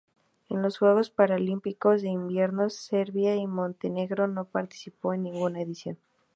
En los Juegos Paralímpicos de Invierno Serbia y Montenegro no participó en ninguna edición.